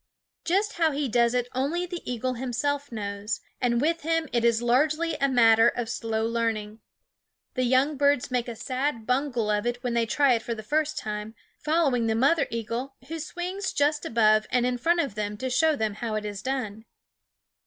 Just how he does it only the eagle himself knows ; and with him it is largely a matter of slow learning. The young birds make a sad bungle of it when they try it for the first time, following the mother eagle, who swings just above and in front of them to show them how it is done.